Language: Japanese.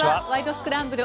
スクランブル」